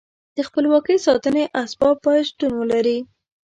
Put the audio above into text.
د خپلواکۍ ساتنې اسباب باید شتون ولري.